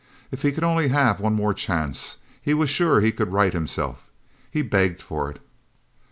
If he could only have one more chance, he was sure he could right himself. He begged for it.